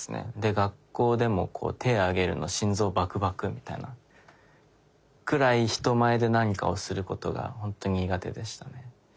学校でも手挙げるの心臓バクバクみたいなくらい人前で何かをすることが本当に苦手でしたね。